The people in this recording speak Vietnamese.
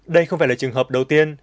đây không phải là trường hợp đầu tiên